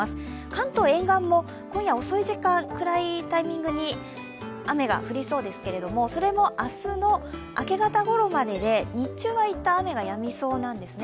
関東沿岸も今夜遅い時間、暗いタイミングに雨が降りそうですけれどもそれも明日の明け方ごろまでで日中は一旦、雨がやみそうなんですね。